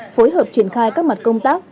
phối hợp triển khai các mặt công tác